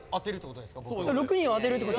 ６人を当てるって事。